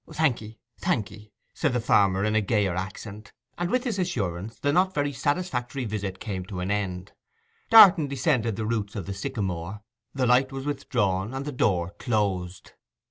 'Thank 'ee, thank 'ee!' said the farmer in a gayer accent; and with this assurance the not very satisfactory visit came to an end. Darton descended the roots of the sycamore, the light was withdrawn, and the door closed.